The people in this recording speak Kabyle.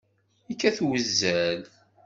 Yekkat uzal.